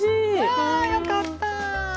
わよかった。